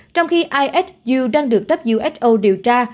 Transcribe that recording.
trong khi ihu đang được who điều tra